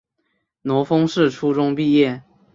罗烽是初中毕业。